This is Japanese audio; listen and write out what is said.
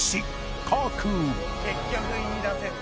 「結局言い出せず」